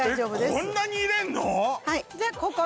こんなに入れんの？